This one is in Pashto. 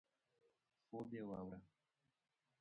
خوب یې واوره.